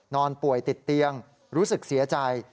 นอนป่วยติดเตียงรู้สึกเสียใจ